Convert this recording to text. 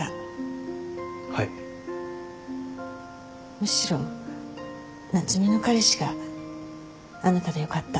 むしろ夏海の彼氏があなたでよかった。